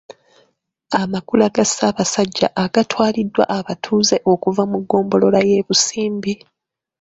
Amakula ga Ssaabasajja agaaleeteddwa abatuuze okuva mu ggombolola y’e Busimbi.